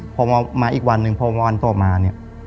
พอมาอีกวันหนึ่งพอวันต่อมาเนี่ย